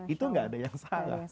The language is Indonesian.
itu nggak ada yang salah